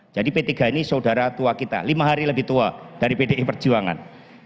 jadi p tiga ini saudara tua kita lima hari lebih tua dari pdi perjuangan